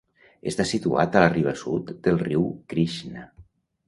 Està situat a la riba sud del riu Krishna.